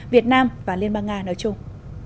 việt nam và liên bang nga nói chung